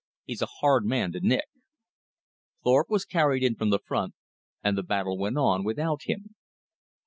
"He's a hard man to nick." Thorpe was carried in from the front, and the battle went on without him.